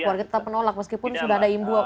warga tetap menolak meskipun sudah ada imbauan